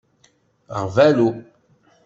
Ɣbalu